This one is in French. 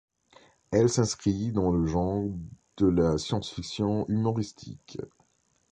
Elle s'inscrit dans le genre de la science-fiction humoristique.